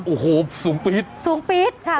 โอ้โหสูงปี๊ดค่ะสูงปี๊ด